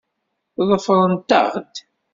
Ḍefṛemt-aɣ-d!